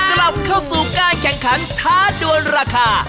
กลับเข้าสู่การแข่งขันท้าดวนราคา